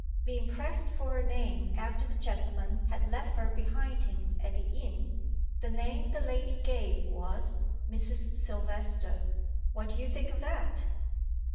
being pressed for her name, after the gentleman had left her behind him at the inn, the name the lady gave was, 'Mrs. Silvester.' What do you think of that?"